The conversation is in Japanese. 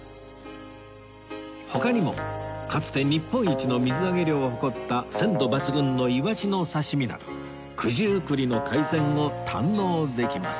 他にもかつて日本一の水揚げ量を誇った鮮度抜群のいわしの刺身など九十九里の海鮮を堪能できます